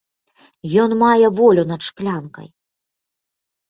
Ён мае волю над шклянкай.